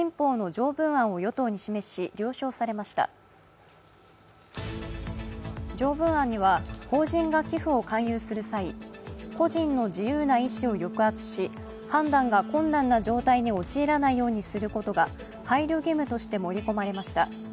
条文案には法人が寄付を勧誘する際個人の自由な意思を抑圧し判断が困難な状態に陥らないようにすることが配慮義務として盛り込まれました。